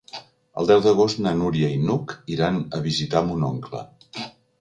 El deu d'agost na Núria i n'Hug iran a visitar mon oncle.